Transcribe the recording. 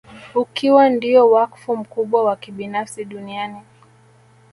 Ukiwa ndio wakfu mkubwa wa kibinafsi duniani